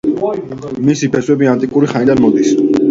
მისი ფესვები ანტიკური ხანიდან მოდის.